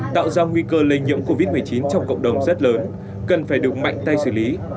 tạo ra nguy cơ lây nhiễm covid một mươi chín trong cộng đồng rất lớn cần phải được mạnh tay xử lý